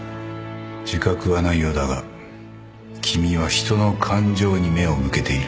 自覚はないようだが君は人の感情に目を向けている